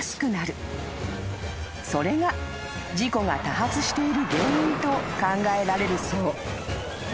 ［それが事故が多発している原因と考えられるそう］